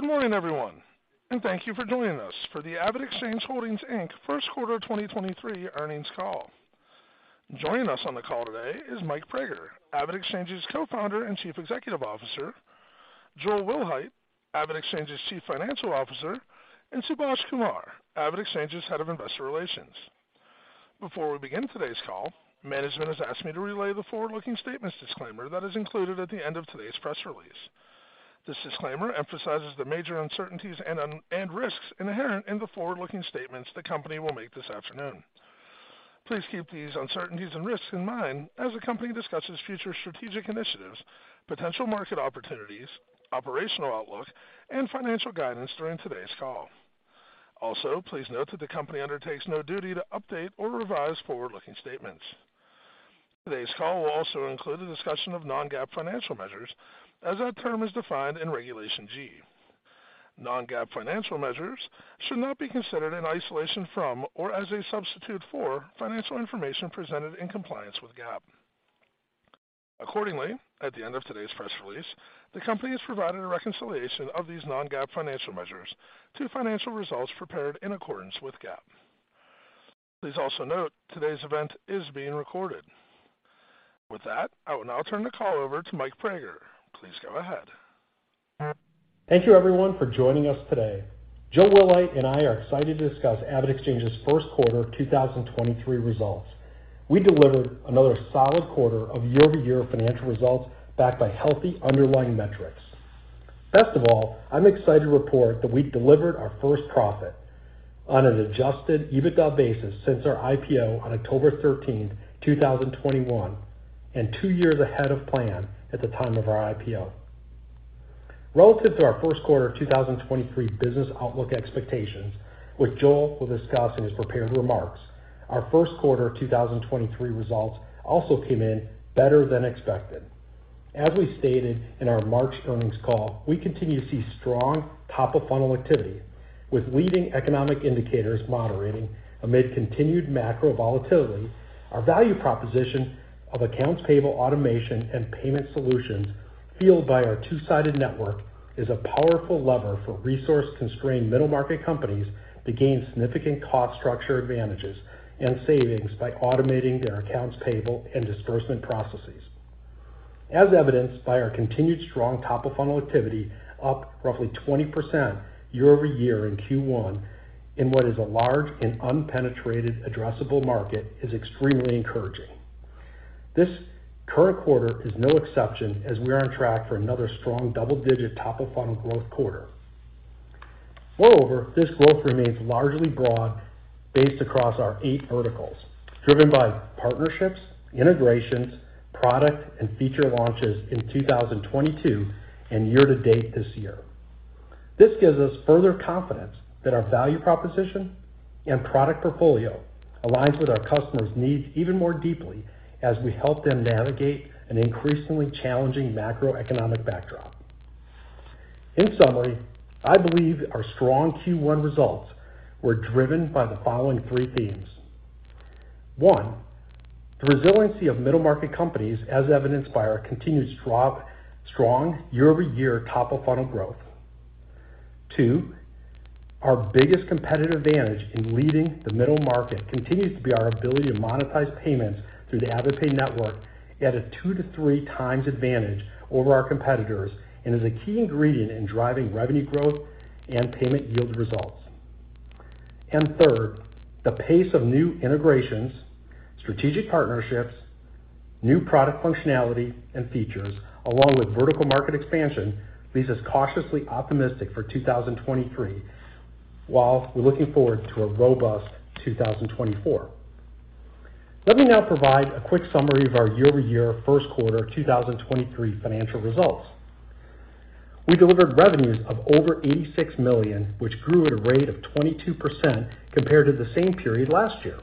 Good morning, everyone. Thank you for joining us for the AvidXchange Holdings, Inc. first quarter 2023 earnings call. Joining us on the call today is Michael Praeger, AvidXchange's Co-Founder and Chief Executive Officer, Joel Wilhite, AvidXchange's Chief Financial Officer, and Subhaash Kumar, AvidXchange's Head of Investor Relations. Before we begin today's call, management has asked me to relay the forward-looking statements disclaimer that is included at the end of today's press release. This disclaimer emphasizes the major uncertainties and risks inherent in the forward-looking statements the company will make this afternoon. Please keep these uncertainties and risks in mind as the company discusses future strategic initiatives, potential market opportunities, operational outlook, and financial guidance during today's call. Also, please note that the company undertakes no duty to update or revise forward-looking statements. Today's call will also include a discussion of non-GAAP financial measures as that term is defined in Regulation G. Non-GAAP financial measures should not be considered in isolation from or as a substitute for financial information presented in compliance with GAAP. Accordingly, at the end of today's press release, the company has provided a reconciliation of these non-GAAP financial measures to financial results prepared in accordance with GAAP. Please also note today's event is being recorded. With that, I will now turn the call over to Mike Praeger. Please go ahead. Thank you everyone for joining us today. Joel Wilhite and I are excited to discuss AvidXchange's first quarter 2023 results. We delivered another solid quarter of year-over-year financial results backed by healthy underlying metrics. Best of all, I'm excited to report that we delivered our first profit on an adjusted EBITDA basis since our IPO on October 13th, 2021 and two years ahead of plan at the time of our IPO. Relative to our first quarter 2023 business outlook expectations, which Joel will discuss in his prepared remarks, our first quarter 2023 results also came in better than expected. As we stated in our March earnings call, we continue to see strong top-of-funnel activity with leading economic indicators moderating amid continued macro volatility. Our value proposition of accounts payable automation and payment solutions fueled by our two-sided network is a powerful lever for resource-constrained middle-market companies to gain significant cost structure advantages and savings by automating their accounts payable and disbursement processes. As evidenced by our continued strong top-of-funnel activity, up roughly 20% year-over-year in Q1 in what is a large and unpenetrated addressable market is extremely encouraging. This current quarter is no exception as we are on track for another strong double-digit top-of-funnel growth quarter. This growth remains largely broad based across our eight verticals, driven by partnerships, integrations, product and feature launches in 2022 and year to date this year. This gives us further confidence that our value proposition and product portfolio aligns with our customers' needs even more deeply as we help them navigate an increasingly challenging macroeconomic backdrop. In summary, I believe our strong Q1 results were driven by the following three themes. One. The resiliency of middle-market companies as evidenced by our continued strong year-over-year top-of-funnel growth. Two. Our biggest competitive advantage in leading the middle market continues to be our ability to monetize payments through the AvidPay Network at a two to three times advantage over our competitors and is a key ingredient in driving revenue growth and payment yield results. Three. The pace of new integrations, strategic partnerships, new product functionality and features along with vertical market expansion leaves us cautiously optimistic for 2023, while we're looking forward to a robust 2024. Let me now provide a quick summary of our year-over-year first quarter 2023 financial results. We delivered revenues of over $86 million, which grew at a rate of 22% compared to the same period last year.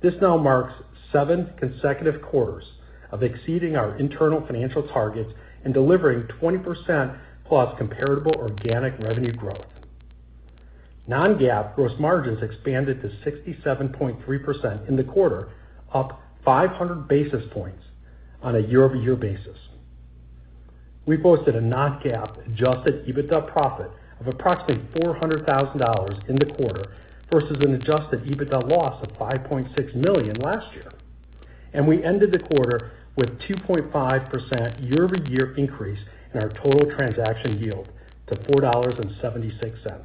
This now marks seven consecutive quarters of exceeding our internal financial targets and delivering 20%+ comparable organic revenue growth. Non-GAAP gross margins expanded to 67.3% in the quarter, up 500 basis points on a year-over-year basis. We posted a non-GAAP adjusted EBITDA profit of approximately $400,000 in the quarter versus an adjusted EBITDA loss of $5.6 million last year. We ended the quarter with 2.5% year-over-year increase in our total transaction yield to $4.76.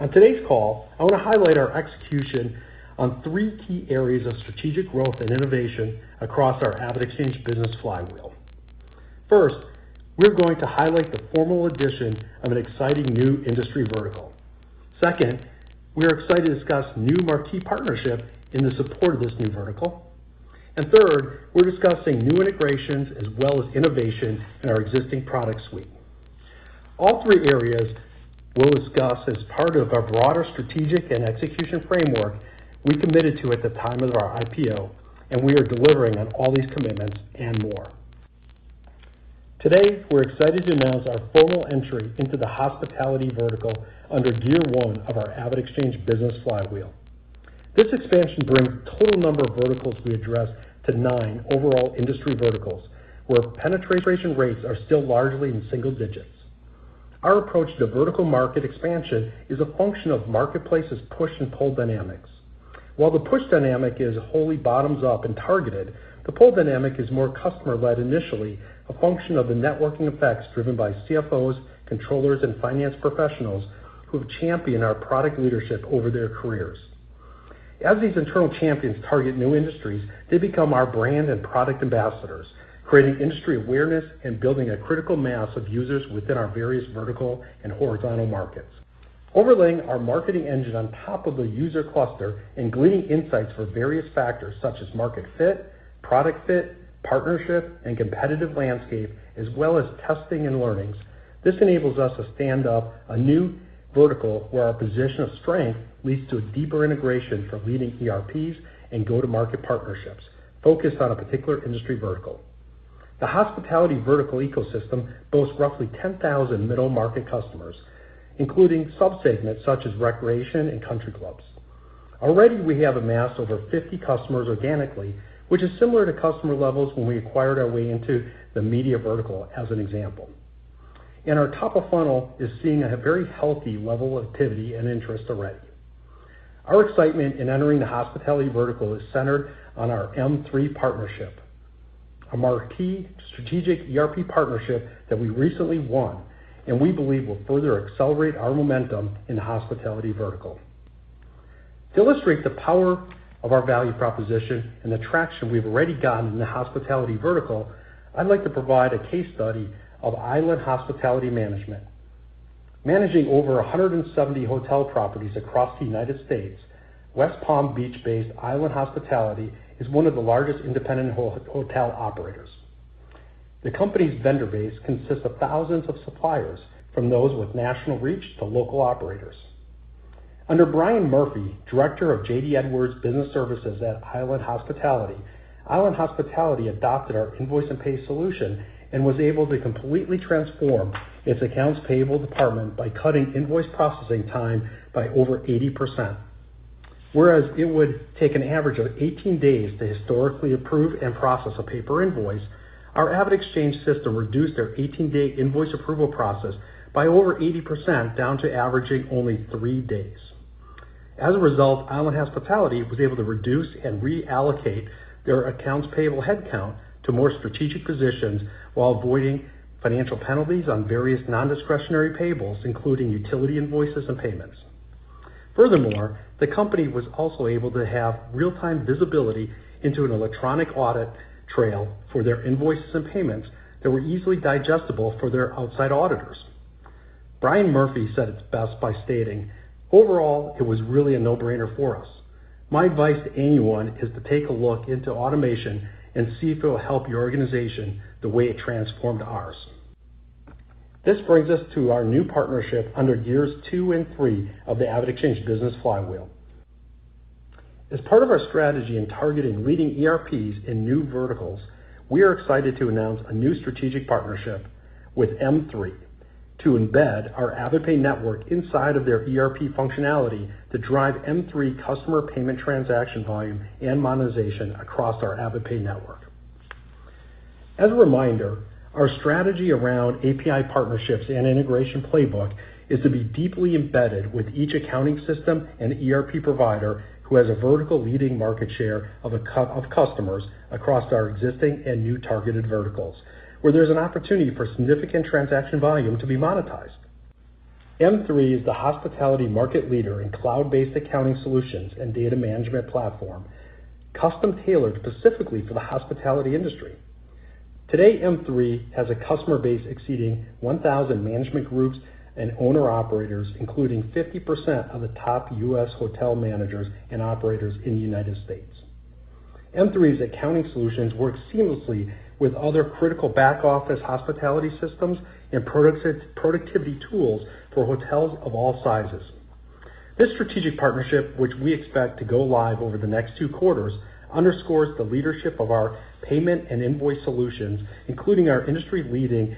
On today's call, I want to highlight our execution on 3 key areas of strategic growth and innovation across our AvidXchange business flywheel. First, we're going to highlight the formal addition of an exciting new industry vertical. Second, we are excited to discuss new marquee partnership in the support of this new vertical. Third, we're discussing new integrations as well as innovation in our existing product suite. All three areas we'll discuss as part of our broader strategic and execution framework we committed to at the time of our IPO. We are delivering on all these commitments and more. Today, we're excited to announce our formal entry into the hospitality vertical under gear one of our AvidXchange business flywheel. This expansion brings total number of verticals we address to nine overall industry verticals, where penetration rates are still largely in single digits. Our approach to vertical market expansion is a function of marketplace's push and pull dynamics. While the push dynamic is wholly bottoms up and targeted, the pull dynamic is more customer-led initially, a function of the networking effects driven by CFOs, controllers, and finance professionals who have championed our product leadership over their careers. As these internal champions target new industries, they become our brand and product ambassadors, creating industry awareness and building a critical mass of users within our various vertical and horizontal markets. Overlaying our marketing engine on top of the user cluster and gleaning insights for various factors such as market fit, product fit, partnership, and competitive landscape, as well as testing and learnings. This enables us to stand up a new vertical where our position of strength leads to a deeper integration from leading ERPs and go-to-market partnerships focused on a particular industry vertical. The hospitality vertical ecosystem boasts roughly 10,000 middle-market customers, including subsegments such as recreation and country clubs. Already, we have amassed over 50 customers organically, which is similar to customer levels when we acquired our way into the media vertical, as an example. Our top of funnel is seeing a very healthy level of activity and interest already. Our excitement in entering the hospitality vertical is centered on our M3 partnership, a marquee strategic ERP partnership that we recently won and we believe will further accelerate our momentum in the hospitality vertical. To illustrate the power of our value proposition and the traction we've already gotten in the hospitality vertical, I'd like to provide a case study of Island Hospitality Management. Managing over 170 hotel properties across the United States, West Palm Beach-based Island Hospitality is one of the largest independent hotel operators. The company's vendor base consists of thousands of suppliers, from those with national reach to local operators. Under Brian Murphy, Director of JD Edwards Business Services at Island Hospitality, Island Hospitality adopted our invoice and pay solution and was able to completely transform its accounts payable department by cutting invoice processing time by over 80%. Whereas it would take an average of 18 days to historically approve and process a paper invoice, our AvidXchange system reduced their 18-day invoice approval process by over 80%, down to averaging only 3 days. As a result, Island Hospitality was able to reduce and reallocate their accounts payable headcount to more strategic positions while avoiding financial penalties on various non-discretionary payables, including utility invoices and payments. Furthermore, the company was also able to have real-time visibility into an electronic audit trail for their invoices and payments that were easily digestible for their outside auditors. Brian Murphy said it best by stating, "Overall, it was really a no-brainer for us. My advice to anyone is to take a look into automation and see if it will help your organization the way it transformed ours." This brings us to our new partnership under gears 2 and 3 of the AvidXchange business flywheel. As part of our strategy in targeting leading ERPs in new verticals, we are excited to announce a new strategic partnership with M3 to embed our AvidPay Network inside of their ERP functionality to drive M3 customer payment transaction volume and monetization across our AvidPay Network. As a reminder, our strategy around API partnerships and integration playbook is to be deeply embedded with each accounting system and ERP provider who has a vertical leading market share of customers across our existing and new targeted verticals, where there's an opportunity for significant transaction volume to be monetized. M3 is the hospitality market leader in cloud-based accounting solutions and data management platform, custom-tailored specifically for the hospitality industry. Today, M3 has a customer base exceeding 1,000 management groups and owner-operators, including 50% of the top US hotel managers and operators in the United States. M3's accounting solutions work seamlessly with other critical back-office hospitality systems and productivity tools for hotels of all sizes. This strategic partnership, which we expect to go live over the next 2 quarters, underscores the leadership of our payment and invoice solutions, including our industry-leading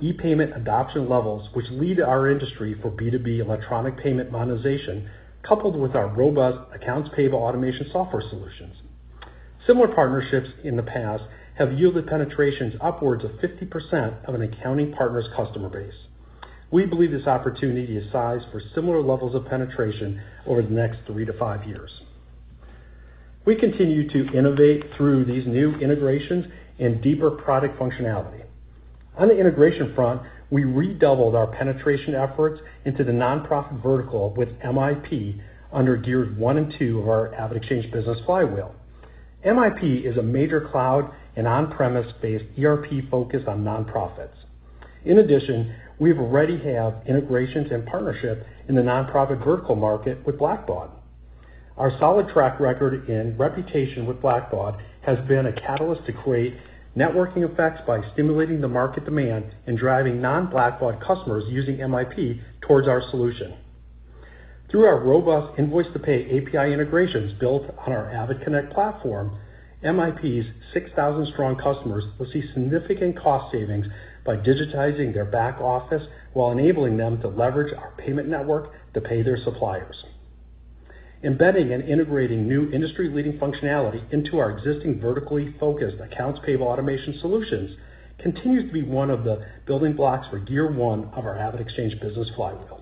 e-payment adoption levels, which lead our industry for B2B electronic payment monetization, coupled with our robust accounts payable automation software solutions. Similar partnerships in the past have yielded penetrations upwards of 50% of an accounting partner's customer base. We believe this opportunity is sized for similar levels of penetration over the next three to five years. We continue to innovate through these new integrations and deeper product functionality. On the integration front, we redoubled our penetration efforts into the nonprofit vertical with MIP under gears one and two of our AvidXchange business flywheel. MIP is a major cloud and on-premise-based ERP focused on nonprofits. In addition, we already have integrations and partnership in the nonprofit vertical market with Blackbaud. Our solid track record and reputation with Blackbaud has been a catalyst to create networking effects by stimulating the market demand and driving non-Blackbaud customers using MIP towards our solution. Through our robust invoice to pay API integrations built on our AvidConnect platform, MIP's 6,000 strong customers will see significant cost savings by digitizing their back office while enabling them to leverage our payment network to pay their suppliers. Embedding and integrating new industry-leading functionality into our existing vertically focused accounts payable automation solutions continues to be one of the building blocks for year one of our AvidXchange business flywheel.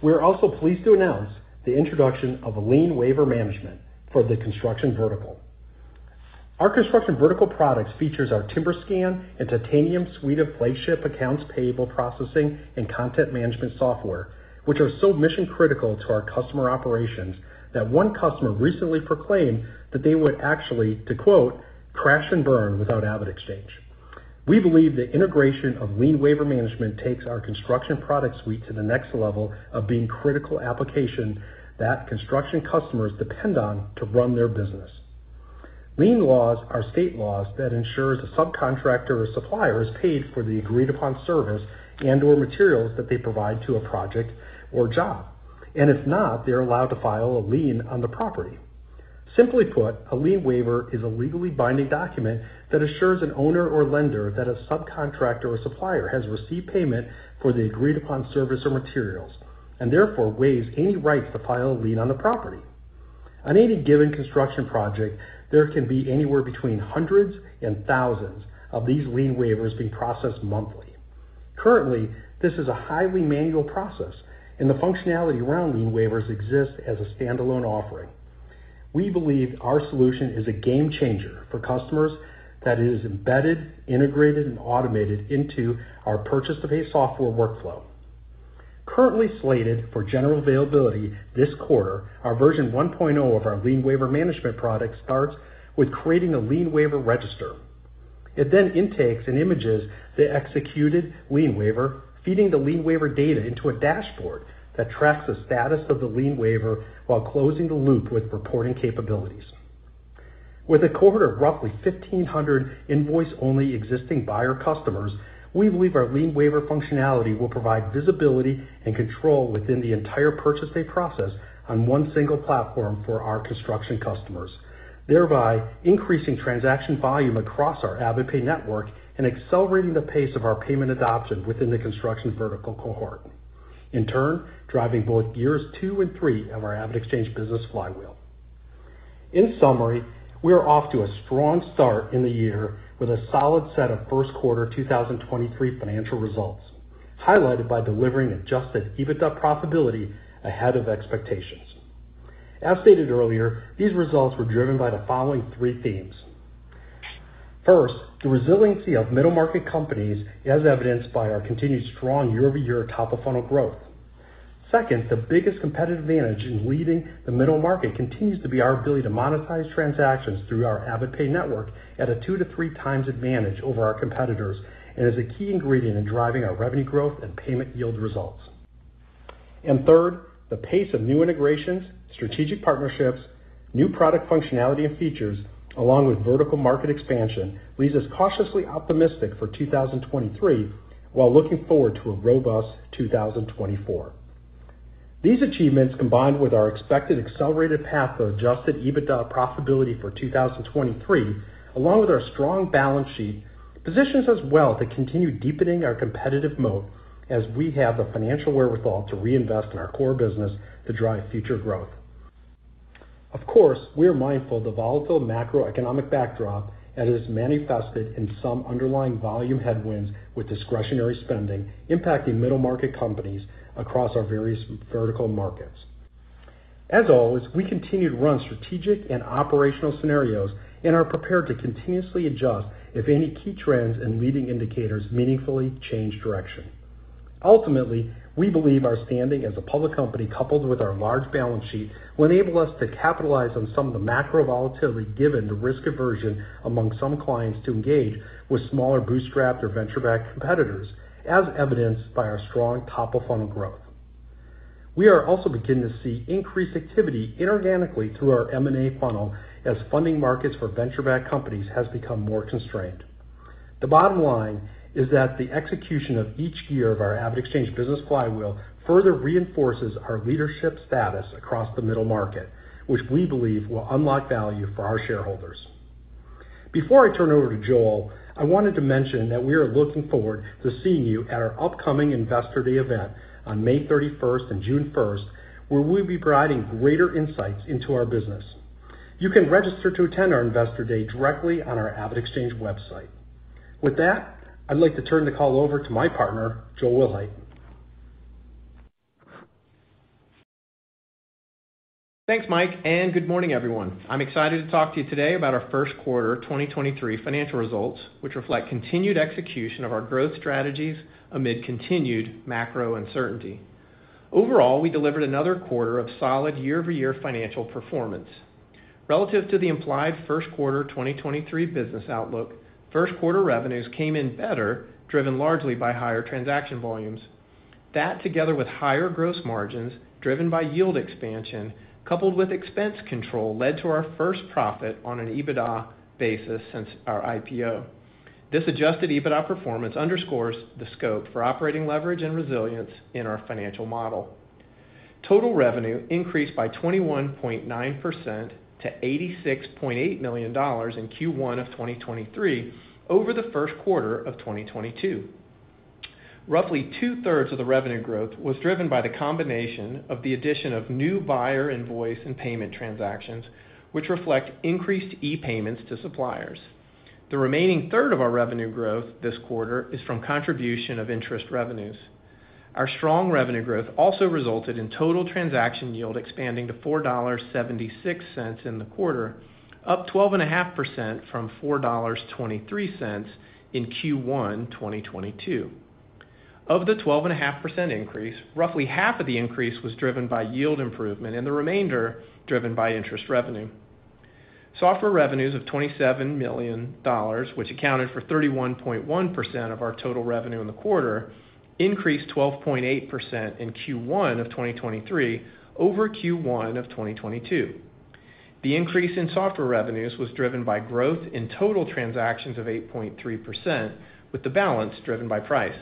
We are also pleased to announce the introduction of Lien Waiver Management for the construction vertical. Our construction vertical products features our TimberScan and Titanium suite of flagship accounts payable processing and content management software, which are so mission-critical to our customer operations that one customer recently proclaimed that they would actually, to quote, "Crash and burn without AvidXchange." We believe the integration of Lien Waiver Management takes our construction product suite to the next level of being critical application that construction customers depend on to run their business. Lien laws are state laws that ensures a subcontractor or supplier is paid for the agreed-upon service and/or materials that they provide to a project or job. If not, they're allowed to file a lien on the property. Simply put, a lien waiver is a legally binding document that assures an owner or lender that a subcontractor or supplier has received payment for the agreed-upon service or materials, and therefore waives any right to file a lien on the property. On any given construction project, there can be anywhere between hundreds and thousands of these lien waivers being processed monthly. Currently, this is a highly manual process. The functionality around lien waivers exists as a standalone offering. We believe our solution is a game changer for customers, that it is embedded, integrated, and automated into our purchase-to-pay software workflow. Currently slated for general availability this quarter, our version 1.0 of our Lien Waiver Management product starts with creating a lien waiver register. It then intakes and images the executed lien waiver, feeding the lien waiver data into a dashboard that tracks the status of the lien waiver while closing the loop with reporting capabilities. With a cohort of roughly 1,500 invoice-only existing buyer customers, we believe our lien waiver functionality will provide visibility and control within the entire purchase pay process on one single platform for our construction customers, thereby increasing transaction volume across our AvidPay Network and accelerating the pace of our payment adoption within the construction vertical cohort. Driving both years two and three of our AvidXchange business flywheel. We are off to a strong start in the year with a solid set of first quarter 2023 financial results, highlighted by delivering adjusted EBITDA profitability ahead of expectations. As stated earlier, these results were driven by the following three themes. First, the resiliency of middle market companies, as evidenced by our continued strong year-over-year top of funnel growth. Second, the biggest competitive advantage in leading the middle market continues to be our ability to monetize transactions through our AvidPay Network at a two to three times advantage over our competitors and is a key ingredient in driving our revenue growth and payment yield results. Third, the pace of new integrations, strategic partnerships, new product functionality and features, along with vertical market expansion, leaves us cautiously optimistic for 2023, while looking forward to a robust 2024. These achievements, combined with our expected accelerated path of adjusted EBITDA profitability for 2023, along with our strong balance sheet, positions us well to continue deepening our competitive moat as we have the financial wherewithal to reinvest in our core business to drive future growth. Of course, we are mindful of the volatile macroeconomic backdrop as it is manifested in some underlying volume headwinds with discretionary spending impacting middle market companies across our various vertical markets. As always, we continue to run strategic and operational scenarios and are prepared to continuously adjust if any key trends and leading indicators meaningfully change direction. Ultimately, we believe our standing as a public company, coupled with our large balance sheet, will enable us to capitalize on some of the macro volatility given the risk aversion among some clients to engage with smaller bootstrapped or venture-backed competitors, as evidenced by our strong top-of-funnel growth. We are also beginning to see increased activity inorganically through our M&A funnel as funding markets for venture-backed companies has become more constrained. The bottom line is that the execution of each year of our AvidXchange business flywheel further reinforces our leadership status across the middle market, which we believe will unlock value for our shareholders. Before I turn it over to Joel, I wanted to mention that we are looking forward to seeing you at our upcoming Investor Day event on May 31st and June 1st, where we'll be providing greater insights into our business. You can register to attend our Investor Day directly on our AvidXchange website. I'd like to turn the call over to my partner, Joel Wilhite. Thanks, Mike. Good morning, everyone. I'm excited to talk to you today about our first quarter 2023 financial results, which reflect continued execution of our growth strategies amid continued macro uncertainty. Overall, we delivered another quarter of solid year-over-year financial performance. Relative to the implied first quarter 2023 business outlook, first quarter revenues came in better, driven largely by higher transaction volumes. That, together with higher gross margins driven by yield expansion coupled with expense control, led to our first profit on an EBITDA basis since our IPO. This adjusted EBITDA performance underscores the scope for operating leverage and resilience in our financial model. Total revenue increased by 21.9% to $86.8 million in Q1 2023 over Q1 2022. Roughly two-thirds of the revenue growth was driven by the combination of the addition of new buyer invoice and payment transactions, which reflect increased e-payments to suppliers. The remaining third of our revenue growth this quarter is from contribution of interest revenues. Our strong revenue growth also resulted in total transaction yield expanding to $4.76 in the quarter, up 12.5% from $4.23 in Q1 2022. Of the 12.5% increase, roughly half of the increase was driven by yield improvement and the remainder driven by interest revenue. Software revenues of $27 million, which accounted for 31.1% of our total revenue in the quarter, increased 12.8% in Q1 2023 over Q1 2022. The increase in software revenues was driven by growth in total transactions of 8.3%, with the balance driven by price.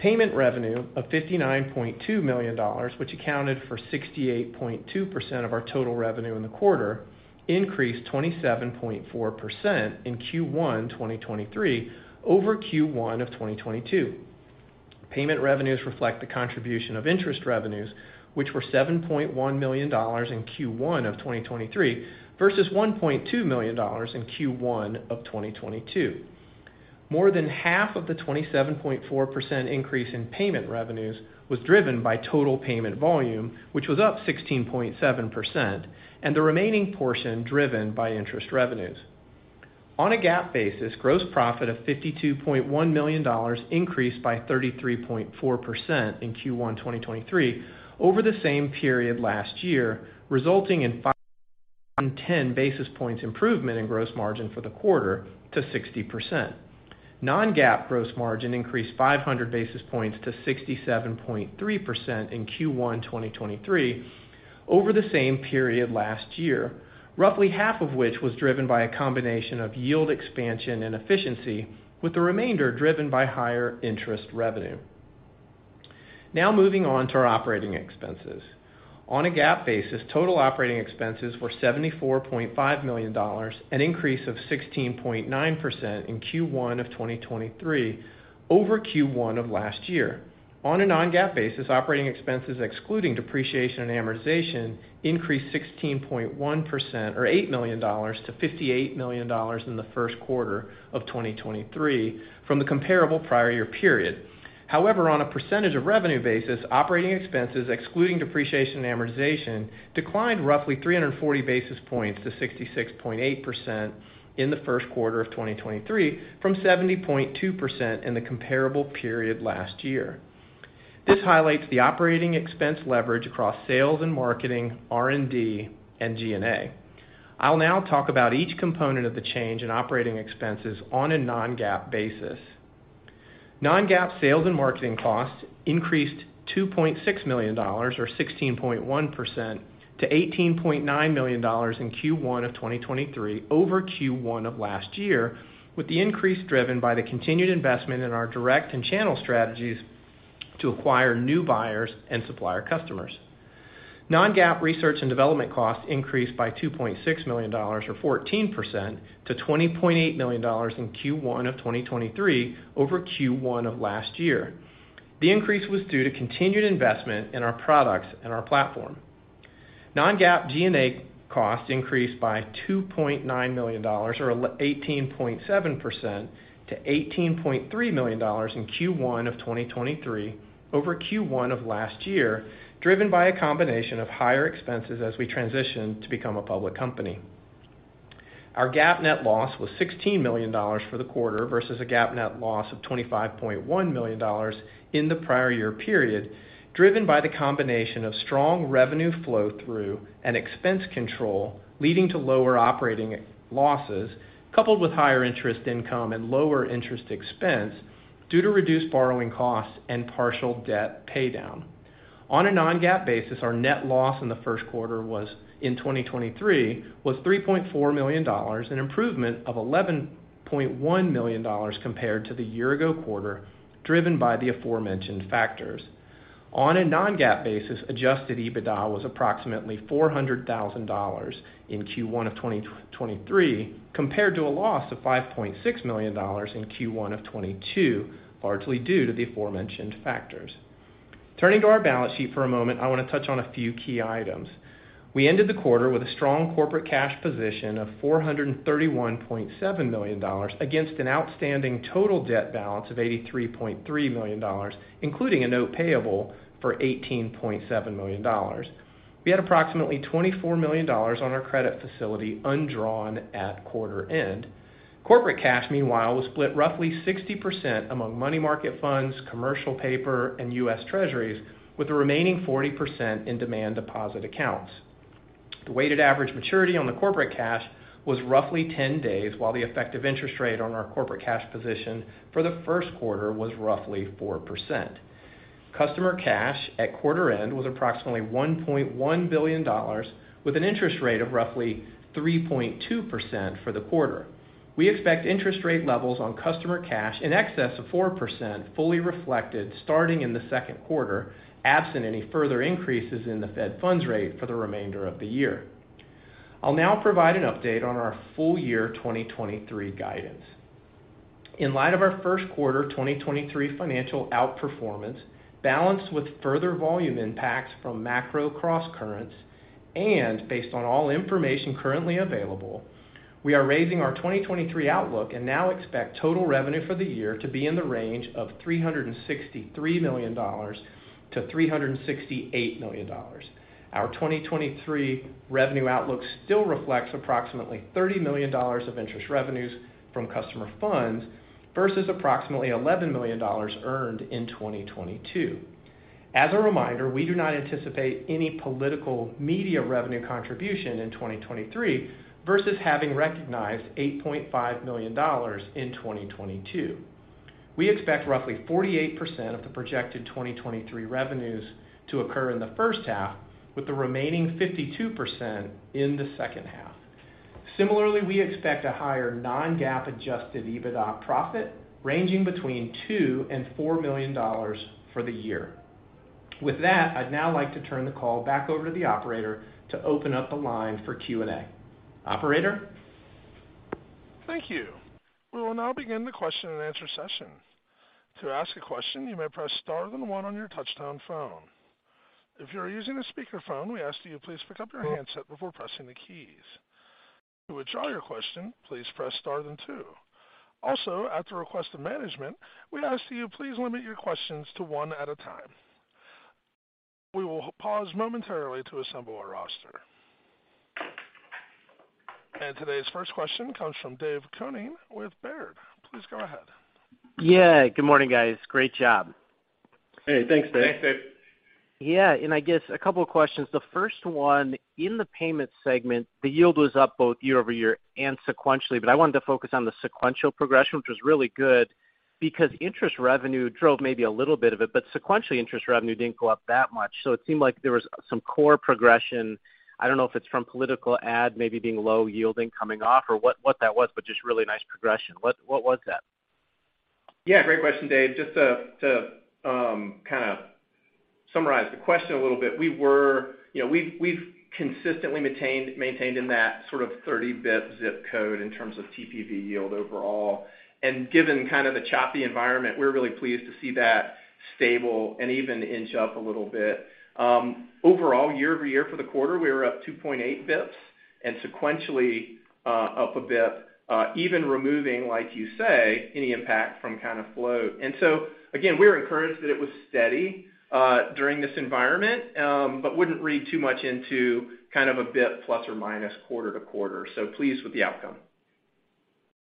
Payment revenue of $59.2 million, which accounted for 68.2% of our total revenue in the quarter, increased 27.4% in Q1 2023 over Q1 2022. Payment revenues reflect the contribution of interest revenues, which were $7.1 million in Q1 2023 versus $1.2 million in Q1 2022. More than half of the 27.4% increase in payment revenues was driven by total payment volume, which was up 16.7%, and the remaining portion driven by interest revenues. On a GAAP basis, gross profit of $52.1 million increased by 33.4% in Q1 2023 over the same period last year, resulting in 510 basis points improvement in gross margin for the quarter to 60%. Non-GAAP gross margin increased 500 basis points to 67.3% in Q1 2023 over the same period last year, roughly half of which was driven by a combination of yield expansion and efficiency, with the remainder driven by higher interest revenue. Moving on to our operating expenses. On a GAAP basis, total operating expenses were $74.5 million, an increase of 16.9% in Q1 of 2023 over Q1 of last year. On a non-GAAP basis, operating expenses excluding depreciation and amortization increased 16.1% or $8 million to $58 million in the first quarter of 2023 from the comparable prior year period. However, on a percentage of revenue basis, operating expenses excluding depreciation and amortization declined roughly 340 basis points to 66.8% in the first quarter of 2023 from 70.2% in the comparable period last year. This highlights the operating expense leverage across sales and marketing, R&D, and G&A. I'll now talk about each component of the change in operating expenses on a non-GAAP basis. Non-GAAP sales and marketing costs increased $2.6 million or 16.1% to $18.9 million in Q1 of 2023 over Q1 of last year, with the increase driven by the continued investment in our direct and channel strategies to acquire new buyers and supplier customers. Non-GAAP research and development costs increased by $2.6 million or 14% to $20.8 million in Q1 of 2023 over Q1 of last year. The increase was due to continued investment in our products and our platform. Non-GAAP G&A costs increased by $2.9 million or 18.7% to $18.3 million in Q1 of 2023 over Q1 of last year, driven by a combination of higher expenses as we transition to become a public company. Our GAAP net loss was $16 million for the quarter versus a GAAP net loss of $25.1 million in the prior year period, driven by the combination of strong revenue flow through and expense control, leading to lower operating losses, coupled with higher interest income and lower interest expense due to reduced borrowing costs and partial debt paydown. On a non-GAAP basis, our net loss in the first quarter in 2023 was $3.4 million, an improvement of $11.1 million compared to the year ago quarter, driven by the aforementioned factors. On a non-GAAP basis, adjusted EBITDA was approximately $400,000 in Q1 of 2023, compared to a loss of $5.6 million in Q1 of 2022, largely due to the aforementioned factors. Turning to our balance sheet for a moment, I wanna touch on a few key items. We ended the quarter with a strong corporate cash position of $431.7 million, against an outstanding total debt balance of $83.3 million, including a note payable for $18.7 million. We had approximately $24 million on our credit facility undrawn at quarter end. Corporate cash, meanwhile, was split roughly 60% among money market funds, commercial paper, and US Treasuries, with the remaining 40% in demand deposit accounts. The weighted average maturity on the corporate cash was roughly 10 days, while the effective interest rate on our corporate cash position for the first quarter was roughly 4%. Customer cash at quarter end was approximately $1.1 billion, with an interest rate of roughly 3.2% for the quarter. We expect interest rate levels on customer cash in excess of 4%, fully reflected starting in the second quarter, absent any further increases in the federal funds rate for the remainder of the year. I'll now provide an update on our full year 2023 guidance. In light of our first quarter 2023 financial outperformance, balanced with further volume impacts from macro crosscurrents, and based on all information currently available, we are raising our 2023 outlook and now expect total revenue for the year to be in the range of $363 million-$368 million. Our 2023 revenue outlook still reflects approximately $30 million of interest revenues from customer funds versus approximately $11 million earned in 2022. As a reminder, we do not anticipate any political media revenue contribution in 2023 versus having recognized $8.5 million in 2022. We expect roughly 48% of the projected 2023 revenues to occur in the first half, with the remaining 52% in the second half. Similarly, we expect a higher non-GAAP adjusted EBITDA profit ranging between $2 million and $4 million for the year. With that, I'd now like to turn the call back over to the operator to open up the line for Q&A. Operator? Thank you. We will now begin the question-and-answer session. To ask a question, you may press star then one on your touch-tone phone. If you are using a speakerphone, we ask that you please pick up your handset before pressing the keys. To withdraw your question, please press star then two. Also, at the request of management, we ask that you please limit your questions to one at a time. We will pause momentarily to assemble our roster. Today's first question comes from Dave Koning with Baird. Please go ahead. Yeah. Good morning, guys. Great job. Hey, thanks, Dave. Thanks, Dave. Yeah. I guess a couple of questions. The first one, in the payment segment, the yield was up both year-over-year and sequentially, I wanted to focus on the sequential progression, which was really good because interest revenue drove maybe a little bit of it, Sequentially, interest revenue didn't go up that much. It seemed like there was some core progression. I don't know if it's from political ad maybe being low yielding coming off or what that was, Just really nice progression. What was that? Yeah, great question, Dave. Just to kind of summarize the question a little bit, you know, we've consistently maintained in that sort of 30 basis points zip code in terms of TPV yield overall. Given kind of the choppy environment, we're really pleased to see that stable and even inch up a little bit. Overall, year-over-year for the quarter, we were up 2.8 basis points and sequentially, up a bit, even removing, like you say, any impact from kind of flow. Again, we were encouraged that it was steady during this environment, but wouldn't read too much into kind of a bit plus or minus quarter-to-quarter, so pleased with the outcome.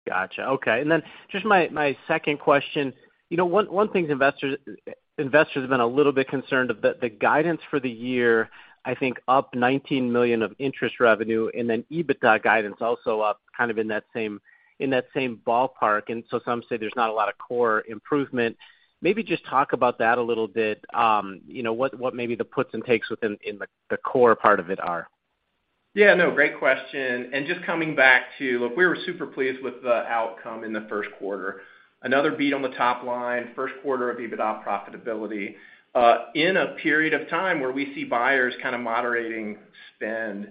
Gotcha. Okay. Just my second question. You know, one thing investors have been a little bit concerned of the guidance for the year, I think up $19 million of interest revenue, and then EBITDA guidance also up kind of in that same ballpark. Some say there's not a lot of core improvement. Maybe just talk about that a little bit, you know, what maybe the puts and takes within the core part of it are. Yeah, no, great question. Just coming back to, look, we were super pleased with the outcome in the first quarter. Another beat on the top line, first quarter of EBITDA profitability, in a period of time where we see buyers kinda moderating spend.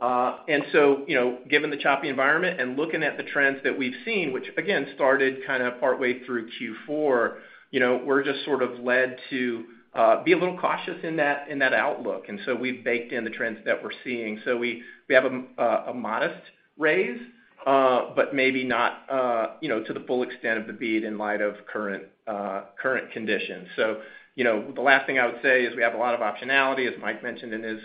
Given the choppy environment and looking at the trends that we've seen, which again started kinda partway through Q4, you know, we're just sort of led to be a little cautious in that, in that outlook. We've baked in the trends that we're seeing. We have a modest raise, but maybe not, you know, to the full extent of the beat in light of current conditions. You know, the last thing I would say is we have a lot of optionality, as Mike mentioned in his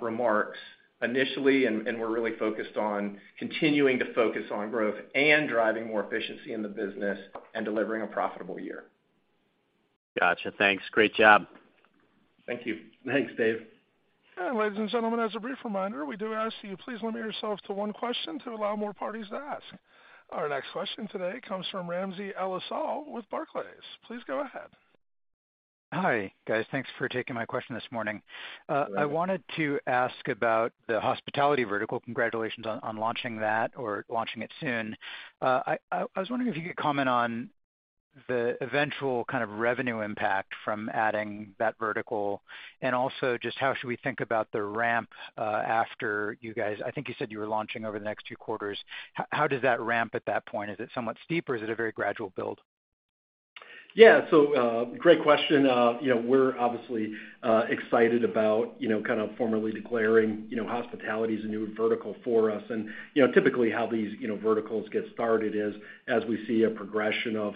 remarks initially, and we're really focused on continuing to focus on growth and driving more efficiency in the business and delivering a profitable year. Gotcha. Thanks. Great job. Thank you. Thanks, Dave. Yeah, ladies and gentlemen, as a brief reminder, we do ask that you please limit yourselves to one question to allow more parties to ask. Our next question today comes from Ramsey El-Assal with Barclays. Please go ahead. Hi, guys. Thanks for taking my question this morning. You're welcome. I wanted to ask about the hospitality vertical. Congratulations on launching that or launching it soon. I was wondering if you could comment on the eventual kind of revenue impact from adding that vertical. Also, just how should we think about the ramp, after you guys, I think you said you were launching over the next two quarters. How does that ramp at that point? Is it somewhat steep, or is it a very gradual build? Yeah. Great question. You know, we're obviously excited about, you know, kind of formally declaring, you know, hospitality as a new vertical for us. You know, typically how these, you know, verticals get started is, as we see a progression of,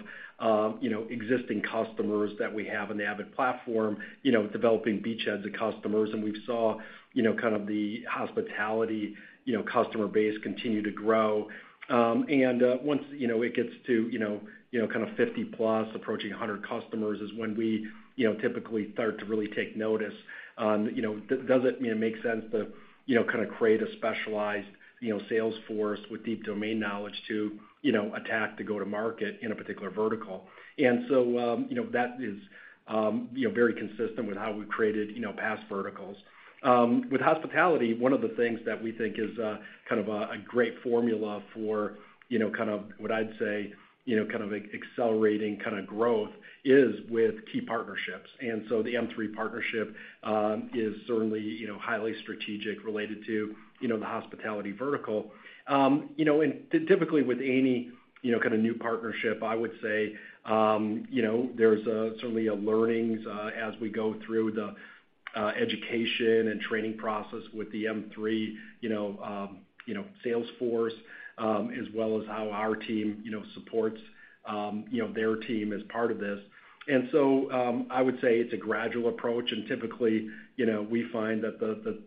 you know, existing customers that we have on the Avid platform, you know, developing beachheads of customers, and we saw, you know, kind of the hospitality, you know, customer base continue to grow. Once, you know, it gets to, you know, you know, kind of 50 plus approaching 100 customers is when we, you know, typically start to really take notice on, you know, does it, you know, make sense to, you know, kinda create a specialized, you know, sales force with deep domain knowledge to, you know, attack to go to market in a particular vertical. You know, that is, you know, very consistent with how we created, you know, past verticals. With hospitality, one of the things that we think is, kind of a great formula for, you know, kind of what I'd say, you know, kind of accelerating kinda growth is with key partnerships. The M3 partnership is certainly, you know, highly strategic related to, you know, the hospitality vertical. You know, typically with any, you know, kind of new partnership, I would say, you know, there's certainly learnings as we go through the education and training process with the M3, you know, sales force, as well as how our team, you know, supports, their team as part of this. I would say it's a gradual approach, and typically, you know, we find that the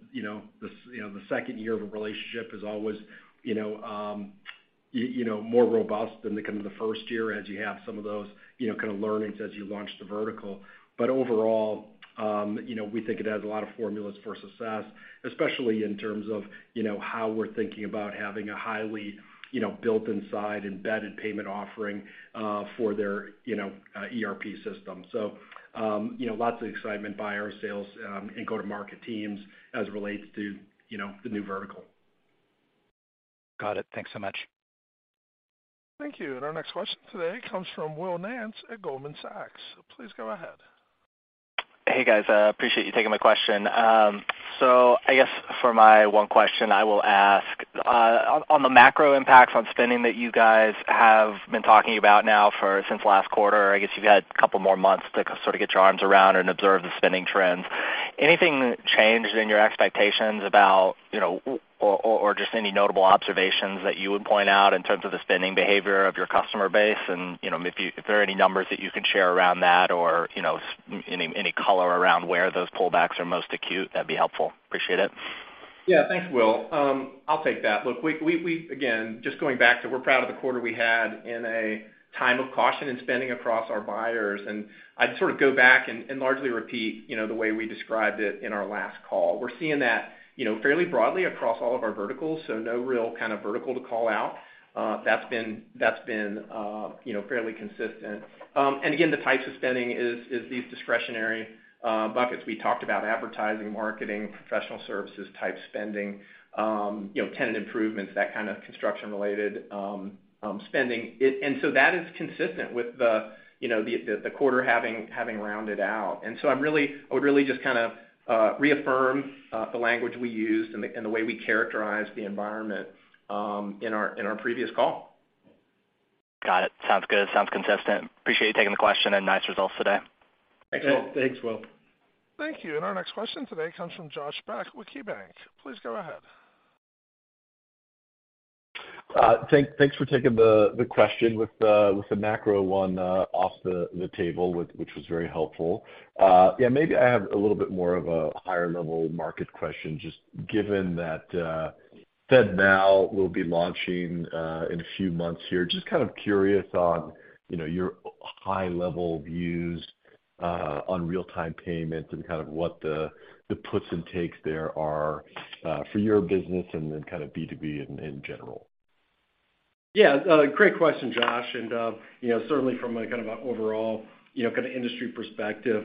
second year of a relationship is always, you know, more robust than the kind of the first year as you have some of those, you know, kind of learnings as you launch the vertical. Overall, you know, we think it has a lot of formulas for success, especially in terms of, you know, how we're thinking about having a highly, you know, built inside embedded payment offering, for their, you know, ERP system. You know, lots of excitement by our sales and go-to-market teams as it relates to, you know, the new vertical. Got it. Thanks so much. Thank you. Our next question today comes from Will Nance at Goldman Sachs. Please go ahead. Hey, guys. Appreciate you taking my question. I guess for my one question, I will ask on the macro impacts on spending that you guys have been talking about now for since last quarter, I guess you've had a couple more months to sort of get your arms around and observe the spending trends. Anything changed in your expectations about, you know, or just any notable observations that you would point out in terms of the spending behavior of your customer base? If there are any numbers that you can share around that or, you know, any color around where those pullbacks are most acute, that'd be helpful. Appreciate it. Yeah. Thanks, Will. I'll take that. Look, we again, just going back to we're proud of the quarter we had in a time of caution and spending across our buyers. I'd sort of go back and largely repeat, you know, the way we described it in our last call. We're seeing that, you know, fairly broadly across all of our verticals, so no real kind of vertical to call out. That's been, you know, fairly consistent. Again, the types of spending is these discretionary buckets we talked about advertising, marketing, professional services type spending, you know, tenant improvements, that kind of construction related spending. So that is consistent with the, you know, the quarter having rounded out.I would really just kind of reaffirm the language we used and the way we characterize the environment, in our previous call. Got it. Sounds good. Sounds consistent. Appreciate you taking the question, and nice results today. Thanks, Will. Thanks, Will. Thank you. Our next question today comes from Josh Beck with KeyBank. Please go ahead. Thanks for taking the question with the macro one off the table, which was very helpful. Yeah, maybe I have a little bit more of a higher level market question, just given that FedNow will be launching in a few months here. Just kind of curious on, you know, your high level views on real-time payments and kind of what the puts and takes there are for your business and then kind of B2B in general. Yeah. Great question, Josh. You know, certainly from a kind of a overall, you know, kind of industry perspective,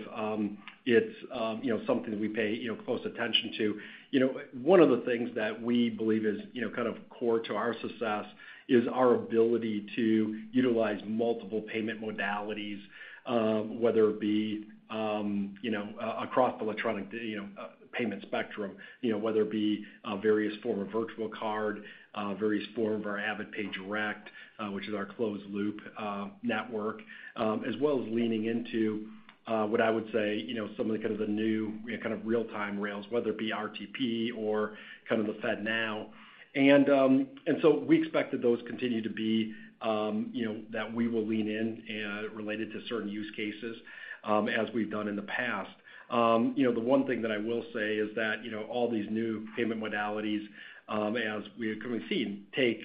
it's, you know, something we pay, you know, close attention to. You know, one of the things that we believe is, you know, kind of core to our success is our ability to utilize multiple payment modalities, whether it be, you know, across the electronic, you know, payment spectrum, you know, whether it be a various form of virtual card, various form of our AvidPay Direct, which is our closed loop, network, as well as leaning into, what I would say, you know, some of the kind of the new kind of real-time rails, whether it be RTP or kind of the FedNow. So we expect that those continue to be, you know, that we will lean in, related to certain use cases, as we've done in the past. You know, the one thing that I will say is that, you know, all these new payment modalities, as we have come and seen, take,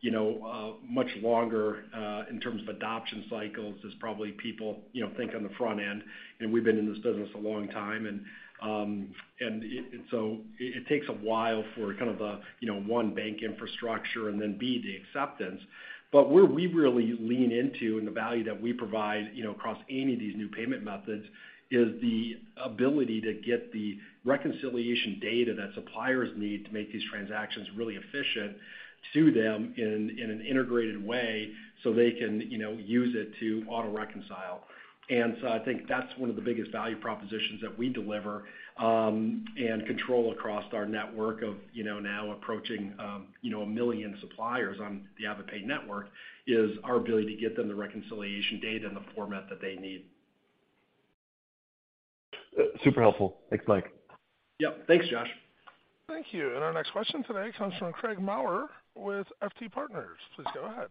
you know, much longer in terms of adoption cycles is probably people, you know, think on the front end, and we've been in this business a long time. So it takes a while for kind of a, you know, one, bank infrastructure and then, B, the acceptance. Where we really lean into and the value that we provide, you know, across any of these new payment methods is the ability to get the reconciliation data that suppliers need to make these transactions really efficient to them in an integrated way so they can, you know, use it to auto reconcile. I think that's one of the biggest value propositions that we deliver, and control across our network of, you know, now approaching, you know, 1 million suppliers on the AvidPay Network, is our ability to get them the reconciliation data in the format that they need. Super helpful. Thanks, Mike. Yep. Thanks, Josh. Thank you. Our next question today comes from Craig Maurer with FT Partners. Please go ahead.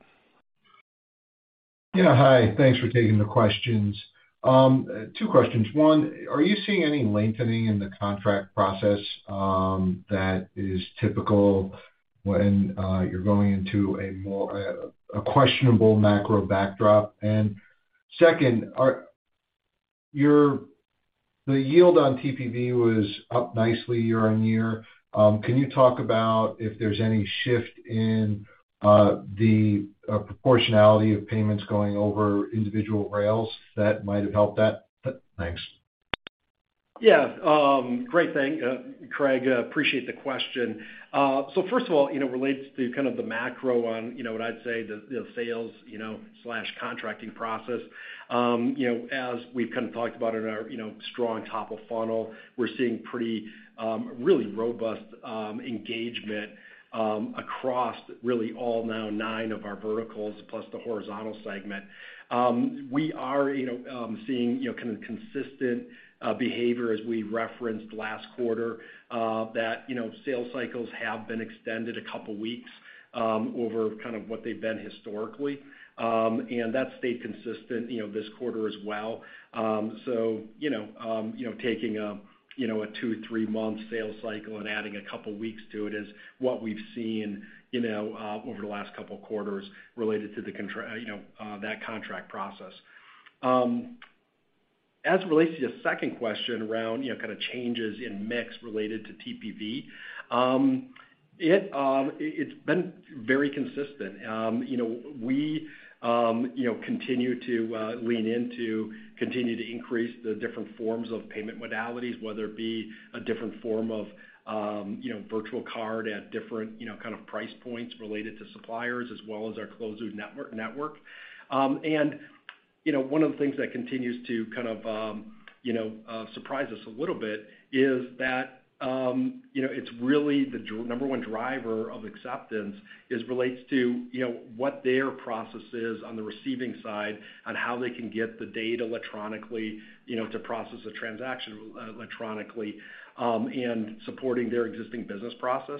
Yeah. Hi. Thanks for taking the questions. Two questions. One, are you seeing any lengthening in the contract process that is typical when you're going into a questionable macro backdrop? Second, the yield on TPV was up nicely year-over-year. Can you talk about if there's any shift in the proportionality of payments going over individual rails that might have helped that? Thanks. Yeah. Great, Craig, appreciate the question. First of all, you know, relates to kind of the macro on, you know, what I'd say the sales, you know, slash contracting process. You know, as we've kind of talked about in our, you know, strong top of funnel, we're seeing pretty really robust engagement across really all now nine of our verticals plus the horizontal segment. We are, you know, seeing, you know, kind of consistent behavior as we referenced last quarter, that, you know, sales cycles have been extended a couple weeks over kind of what they've been historically. And that stayed consistent, you know, this quarter as well. You know, taking a, you know, a two, three-month sales cycle and adding a couple weeks to it is what we've seen, you know, over the last couple quarters related to that contract process. As it relates to your second question around, you know, kind of changes in mix related to TPV, it's been very consistent. You know, we, you know, continue to lean in to continue to increase the different forms of payment modalities, whether it be a different form of, you know, virtual card at different, you know, kind of price points related to suppliers as well as our closed network. You know, one of the things that continues to kind of, you know, surprise us a little bit is that, you know, it's really the number one driver of acceptance is relates to, you know, what their process is on the receiving side on how they can get the data electronically, you know, to process a transaction electronically, and supporting their existing business process.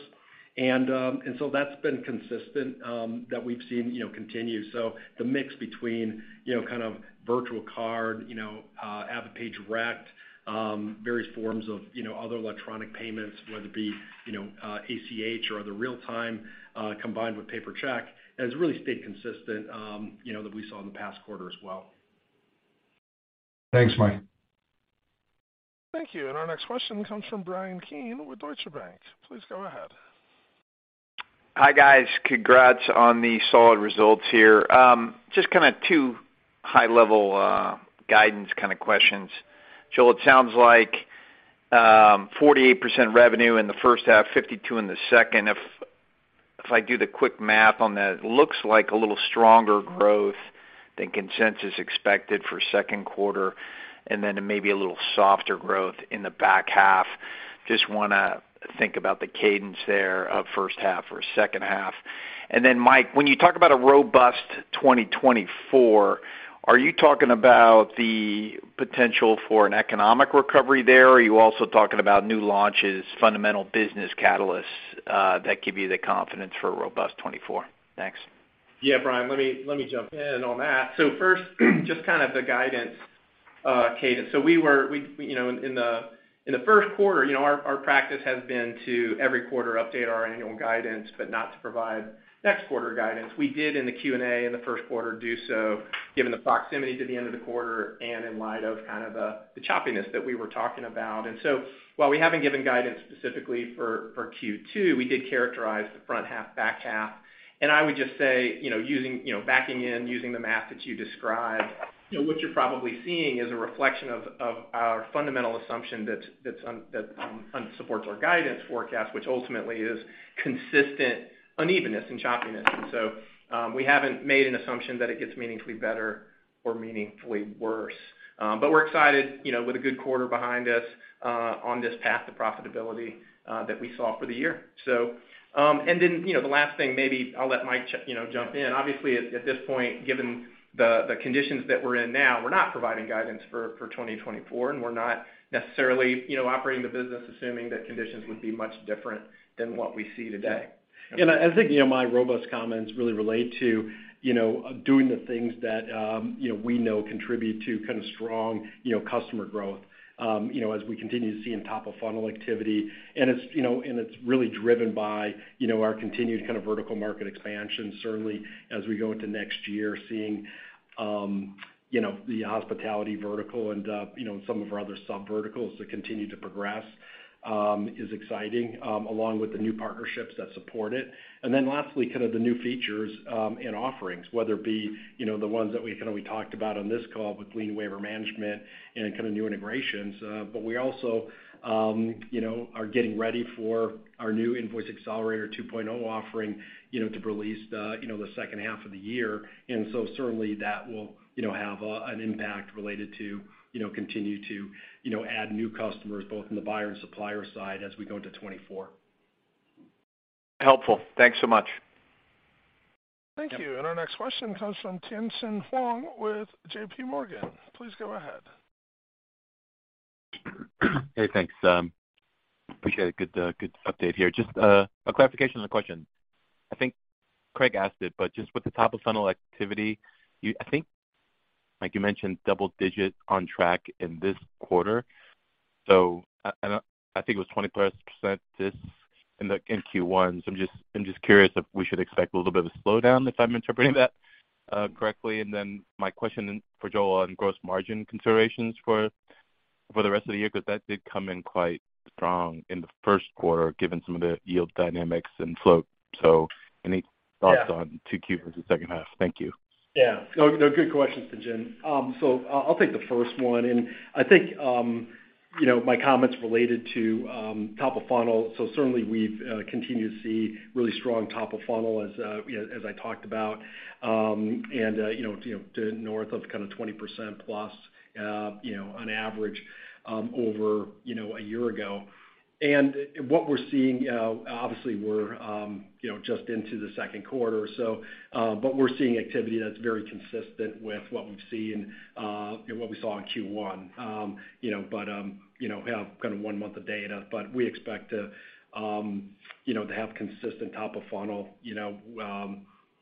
That's been consistent that we've seen, you know, continue. The mix between, you know, kind of virtual card, you know, AvidPay Direct, various forms of, you know, other electronic payments, whether it be, you know, ACH or other real-time, combined with paper check, has really stayed consistent, you know, that we saw in the past quarter as well. Thanks, Mike. Thank you. Our next question comes from Bryan Keane with Deutsche Bank. Please go ahead. Hi, guys. Congrats on the solid results here. Just kinda two high-level guidance kind of questions. Joel, it sounds like 48% revenue in the first half, 52% in the second. If I do the quick math on that, it looks like a little stronger growth than consensus expected for second quarter, and then it may be a little softer growth in the back half. Just wanna think about the cadence there of first half or second half. Then Mike, when you talk about a robust 2024, are you talking about the potential for an economic recovery there? Are you also talking about new launches, fundamental business catalysts that give you the confidence for a robust 2024? Thanks. Yeah, Brian, let me jump in on that. First, just kind of the guidance cadence. We, you know, in the, in the first quarter, you know, our practice has been to every quarter update our annual guidance, but not to provide next quarter guidance. We did in the Q&A in the first quarter do so given the proximity to the end of the quarter and in light of kind of the choppiness that we were talking about. While we haven't given guidance specifically for Q2, we did characterize the front half, back half. I would just say, you know, using, you know, backing in, using the math that you described, you know, what you're probably seeing is a reflection of our fundamental assumption that supports our guidance forecast, which ultimately is consistent unevenness and choppiness. We haven't made an assumption that it gets meaningfully better or meaningfully worse. We're excited, you know, with a good quarter behind us, on this path to profitability that we saw for the year. Then, you know, the last thing, maybe I'll let Mike, you know, jump in. Obviously at this point, given the conditions that we're in now, we're not providing guidance for 2024, and we're not necessarily, you know, operating the business assuming that conditions would be much different than what we see today. I think, you know, my robust comments really relate to, you know, doing the things that, we know contribute to kind of strong, you know, customer growth, as we continue to see in top-of-funnel activity. It's, you know, and it's really driven by, you know, our continued kind of vertical market expansion, certainly as we go into next year seeing, the hospitality vertical and, some of our other sub verticals that continue to progress, is exciting, along with the new partnerships that support it. Then lastly, kind of the new features, and offerings, whether it be, the ones that we kinda we talked about on this call with Lien Waiver Management and kind of new integrations. We also, you know, are getting ready for our new Invoice Accelerator 2.0 offering, you know, to release the, you know, the second half of the year. Certainly that will, you know, have an impact related to, you know, continue to, you know, add new customers both in the buyer and supplier side as we go into 2024. Helpful. Thanks so much. Thank you. Our next question comes from Tien-Tsin Huang with JPMorgan. Please go ahead. Hey, thanks. appreciate a good update here. Just a clarification on the question. I think Craig asked it, but just with the top-of-funnel activity, you, I think, like you mentioned, double-digit on track in this quarter. I think it was 20%+ this in Q1. I'm just curious if we should expect a little bit of a slowdown, if I'm interpreting that correctly. My question then for Joel on gross margin considerations for the rest of the year, because that did come in quite strong in the 1st quarter, given some of the yield dynamics and float. Any thoughts on 2Q versus second half? Thank you. Yeah. No, no, good questions to Tsin. I'll take the first one. I think, you know, my comments related to top of funnel. Certainly we've continued to see really strong top of funnel as, you know, as I talked about, and, you know, to, you know, to north of kind of 20%+, you know, on average, over, you know, a year ago. What we're seeing, obviously we're, you know, just into the second quarter, so, but we're seeing activity that's very consistent with what we've seen, you know, what we saw in Q1. You know, you know, have kind of one month of data, but we expect to, you know, to have consistent top of funnel, you know.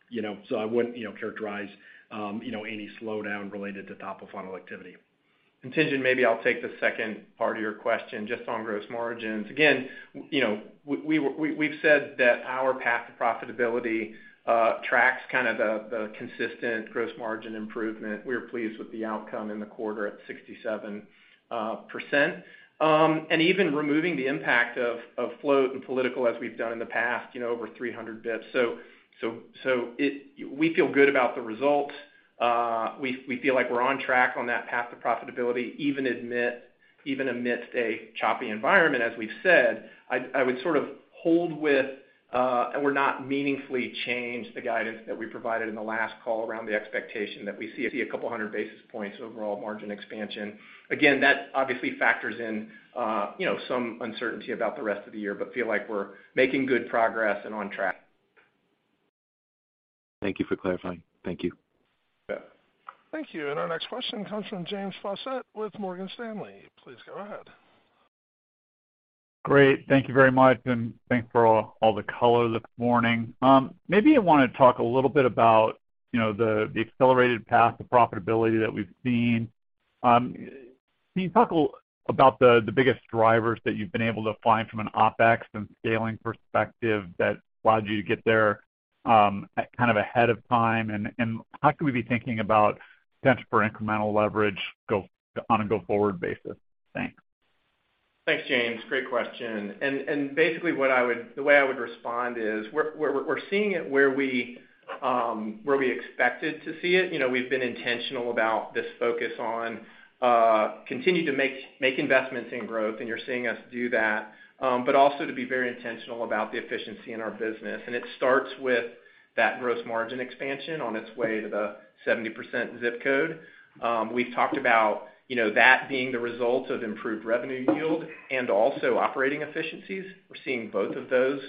You know, I wouldn't, you know, characterize, you know, any slowdown related to top-of-funnel activity. Tien-Tsin, maybe I'll take the second part of your question just on gross margins. You know, we, we've said that our path to profitability tracks kind of the consistent gross margin improvement. We're pleased with the outcome in the quarter at 67%. And even removing the impact of float and political as we've done in the past, you know, over 300 basis points. We feel good about the results. We, we feel like we're on track on that path to profitability, even amidst a choppy environment, as we've said. I would sort of hold with, and we're not meaningfully change the guidance that we provided in the last call around the expectation that we see 200 basis points overall margin expansion. That obviously factors in, you know, some uncertainty about the rest of the year, but feel like we're making good progress and on track. Thank you for clarifying. Thank you. Yeah. Thank you. Our next question comes from James Faucette with Morgan Stanley. Please go ahead. Great. Thank you very much, and thanks for all the color this morning. Maybe I wanna talk a little bit about, you know, the accelerated path to profitability that we've seen. Can you talk about the biggest drivers that you've been able to find from an OpEx and scaling perspective that allowed you to get there, kind of ahead of time? How can we be thinking about sense for incremental leverage on a go-forward basis? Thanks. Thanks, James. Great question. Basically, the way I would respond is we're seeing it where we expected to see it. You know, we've been intentional about this focus on continue to make investments in growth, you're seeing us do that, but also to be very intentional about the efficiency in our business. It starts with that gross margin expansion on its way to the 70% ZIP code. We've talked about, you know, that being the result of improved revenue yield and also operating efficiencies. We're seeing both of those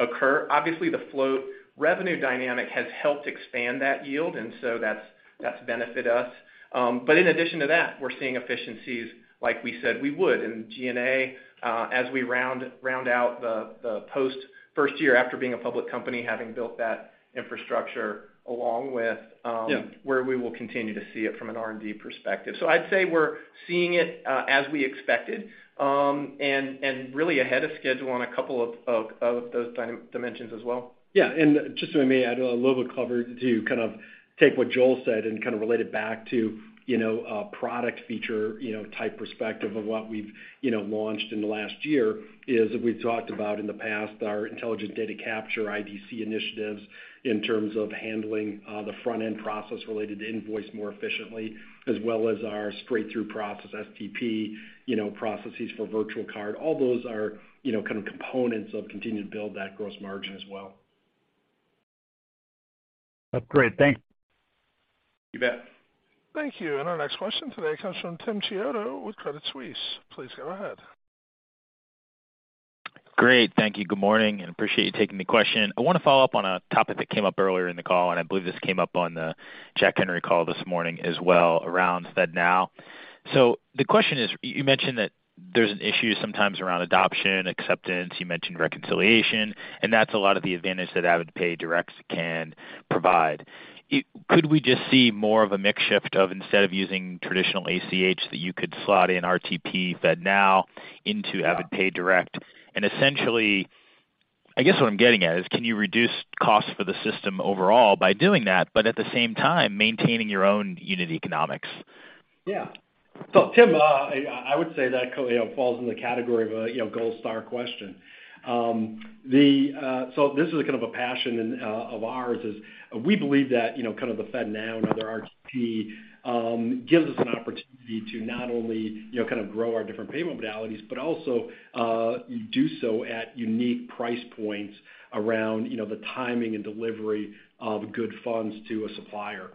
occur. Obviously, the float revenue dynamic has helped expand that yield, so that's benefit us. In addition to that, we're seeing efficiencies like we said we would in G&A, as we round out the post first year after being a public company, having built that infrastructure along with. Yeah Where we will continue to see it from an R&D perspective. I'd say we're seeing it as we expected, and really ahead of schedule on a couple of those dimensions as well. Yeah. Just so I may add a little bit of color to kind of take what Joel said and kind of relate it back to, you know, a product feature, you know, type perspective of what we've, you know, launched in the last year is we've talked about in the past our intelligent data capture, IDC initiatives in terms of handling the front-end process related to invoice more efficiently, as well as our straight-through processing, STP, you know, processes for virtual card. All those are, you know, kind of components of continuing to build that gross margin as well. That's great. Thanks. You bet. Thank you. Our next question today comes from Tim Chiodo with Credit Suisse. Please go ahead. Great. Thank you. Good morning, Appreciate you taking the question. I wanna follow up on a topic that came up earlier in the call, and I believe this came up on the Jack Henry call this morning as well around FedNow. The question is, you mentioned that there's an issue sometimes around adoption, acceptance, you mentioned reconciliation, and that's a lot of the advantage that AvidPay Direct can provide. Could we just see more of a mix shift of instead of using traditional ACH that you could slot in RTP FedNow into AvidPay Direct? Essentially, I guess, what I'm getting at is, can you reduce costs for the system overall by doing that, but at the same time, maintaining your own unit economics? Yeah. Tim, I would say that you know, falls in the category of a, you know, gold star question. The, this is kind of a passion of ours is we believe that, you know, kind of the FedNow and other RTP gives us an opportunity to not only, you know, kind of grow our different payment modalities, but also do so at unique price points around, you know, the timing and delivery of good funds to a supplier.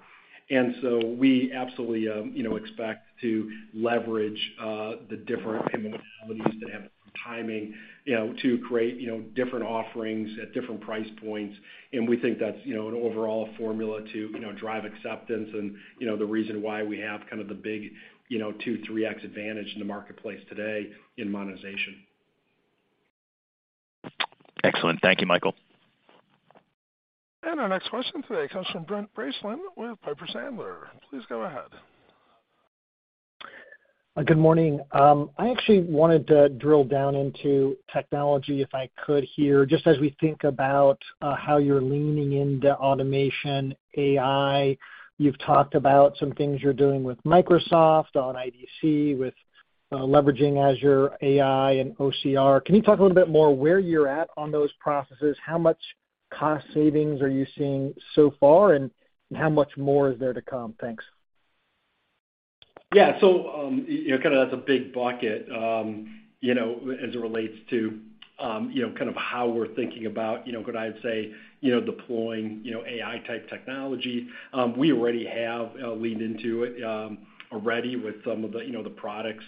We absolutely, you know, expect to leverage the different payment modalities that have timing, you know, to create, you know, different offerings at different price points. We think that's, you know, an overall formula to, you know, drive acceptance and, you know, the reason why we have kind of the big, you know, 2x-3x advantage in the marketplace today in monetization. Excellent. Thank you, Michael. Our next question today comes from Brent Bracelin with Piper Sandler. Please go ahead. Good morning. I actually wanted to drill down into technology, if I could here, just as we think about how you're leaning into automation, AI. You've talked about some things you're doing with Microsoft on IDC, with leveraging Azure AI and OCR. Can you talk a little bit more where you're at on those processes? How much cost savings are you seeing so far, and how much more is there to come? Thanks. Yeah. You know, kind of that's a big bucket, you know, as it relates to, you know, kind of how we're thinking about, you know, could I say, you know, deploying, you know, AI-type technology. We already have leaned into it, already with some of the, you know, the products,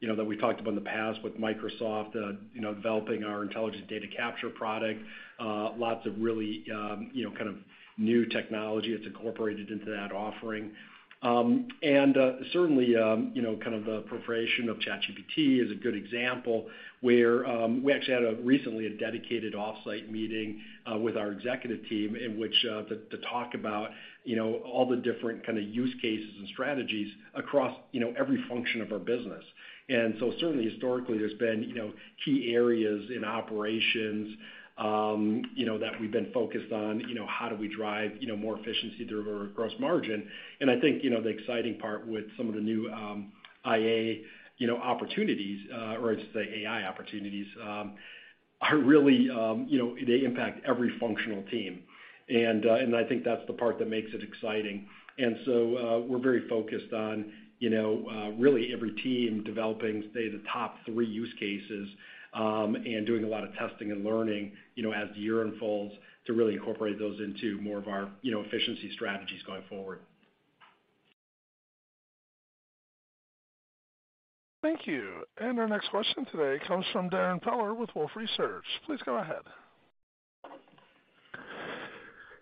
you know, that we talked about in the past with Microsoft, you know, developing our intelligent data capture product. Lots of really, you know, kind of new technology that's incorporated into that offering. Certainly, you know, kind of the proliferation of ChatGPT is a good example where we actually had recently a dedicated off-site meeting with our executive team in which to talk about, you know, all the different kind of use cases and strategies across, you know, every function of our business. Certainly historically, there's been, you know, key areas in operations, you know, that we've been focused on, you know, how do we drive, you know, more efficiency through our gross margin. I think, you know, the exciting part with some of the new IA, you know, opportunities, or I should say AI opportunities, are really, you know, they impact every functional team. I think that's the part that makes it exciting. We're very focused on, you know, really every team developing, say, the top three use cases, and doing a lot of testing and learning, you know, as the year unfolds to really incorporate those into more of our, you know, efficiency strategies going forward. Thank you. Our next question today comes from Darrin Peller with Wolfe Research. Please go ahead.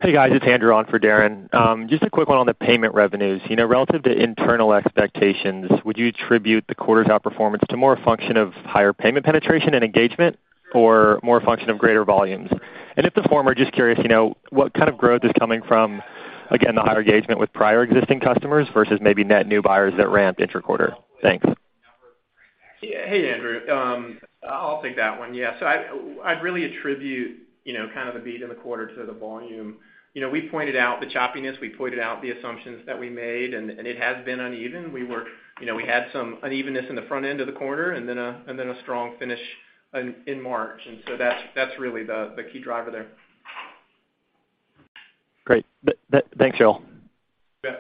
Hey, guys. It's Andrew on for Darrin. Just a quick one on the payment revenues. You know, relative to internal expectations, would you attribute the quarter's outperformance to more a function of higher payment penetration and engagement or more a function of greater volumes? If the former, just curious, you know, what kind of growth is coming from, again, the higher engagement with prior existing customers versus maybe net new buyers that ramped inter-quarter? Thanks. Yeah. Hey, Andrew. I'll take that one. Yeah. I'd really attribute, you know, kind of the beat in the quarter to the volume. You know, we pointed out the choppiness, we pointed out the assumptions that we made, and it has been uneven. You know, we had some unevenness in the front end of the quarter and then a strong finish in March. That's really the key driver there. Great. Thanks, Joel. Yeah.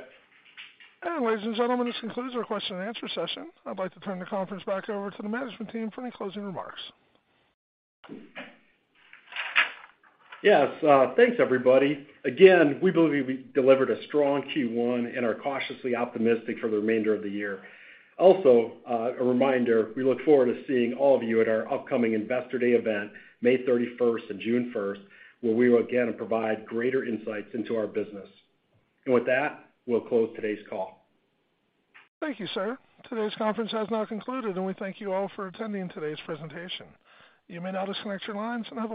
Ladies and gentlemen, this concludes our question and answer session. I'd like to turn the conference back over to the management team for any closing remarks. Yes. Thanks, everybody. Again, we believe we delivered a strong Q1 and are cautiously optimistic for the remainder of the year. Also, a reminder, we look forward to seeing all of you at our upcoming Investor Day event, May 31st and June 1st, where we will again provide greater insights into our business. With that, we'll close today's call. Thank you, sir. Today's conference has now concluded, and we thank you all for attending today's presentation. You may now disconnect your lines, and have a great day.